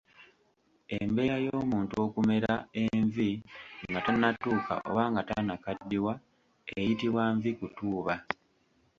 Embeera y’omuntu okumera envi nga tannatuuka oba nga tannakaddiwa eyitibwa nvi kutuuba.